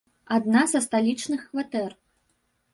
Адна са сталічных кватэр.